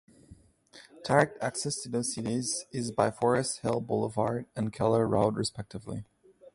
Direct access to those cities is by Forest Hill Boulevard and Keller Road respectively.